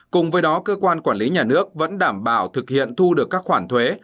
cùng với đó cơ quan quản lý nhà nước vẫn đảm bảo thực hiện thu được các khoản thuế